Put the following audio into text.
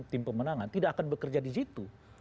tim pemenangan tidak akan bekerja di situ